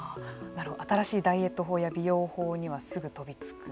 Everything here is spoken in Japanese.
新しいダイエット法や美容法にはすぐ飛びつく。